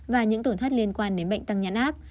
và những tổn thất liên quan đến bệnh tăng nhà áp